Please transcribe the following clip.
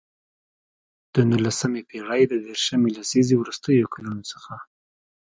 د نولسمې پېړۍ د دیرشمې لسیزې وروستیو کلونو څخه.